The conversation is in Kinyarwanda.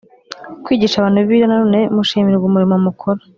kwigisha abantu bibiliya na none mushimirwa umurimo mukora